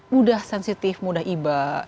mudah sensitif mudah iba